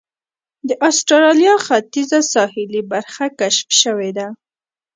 د اسټرالیا ختیځه ساحلي برخه کشف شوې وه.